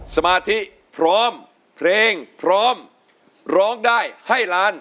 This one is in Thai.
สมาธิพร้อมเพลงพร้อมร้องได้ให้ล้าน